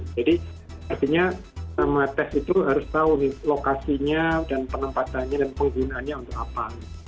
jadi artinya sama tes itu harus tahu lokasinya dan penempatannya dan penggunanya untuk apa